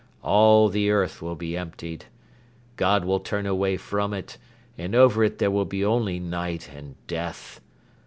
... All the earth will be emptied. God will turn away from it and over it there will be only night and death.